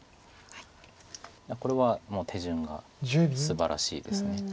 これはもう手順がすばらしいです。